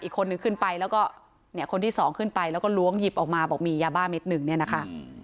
อีกคนนึงขึ้นไปแล้วก็เนี่ยคนที่สองขึ้นไปแล้วก็ล้วงหยิบออกมาบอกมียาบ้าเม็ดหนึ่งเนี่ยนะคะ